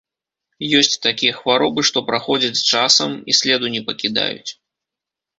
Ёсць такія хваробы, што праходзяць з часам і следу не пакідаюць.